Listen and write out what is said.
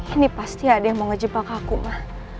ini pasti ada yang mau ngejepak aku ma